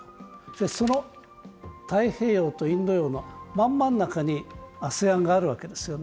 その太平洋とインド洋のまん真ん中にＡＳＥＡＮがあるわけですよね。